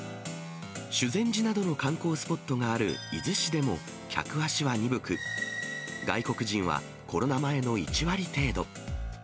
修善寺などの観光スポットがある伊豆市でも客足は鈍く、外国人はコロナ前の１割程度。